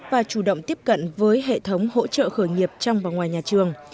và chủ động tiếp cận với hệ thống hỗ trợ khởi nghiệp trong và ngoài nhà trường